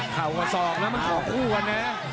ขาวก็ส้อมแล้วมันก่อคู่กันนะ